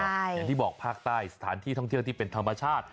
อย่างที่บอกภาคใต้สถานที่ท่องเที่ยวที่เป็นธรรมชาติ